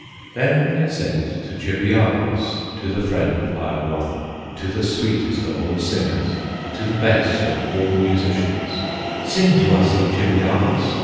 Then they said to Chibiabos, To the friend of Hiawatha, To the sweetest of all singers, To the best of all musicians, "Sing to us, O Chibiabos!